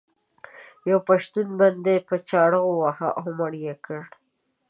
یو پښتون بندي په چاړه وواهه او مړ یې کړ.